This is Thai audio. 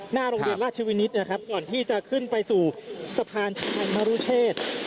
หน้าโรงเรียนราชวินิตนะครับก่อนที่จะขึ้นไปสู่สะพานชายมรุเชษ